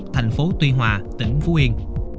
thành phố tuy hòa tỉnh phú yên